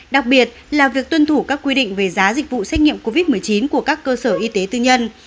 đặc biệt là việc tuân thủ các quy định về giá dịch vụ xét nghiệm covid một mươi chín của các cơ sở y tế tư nhân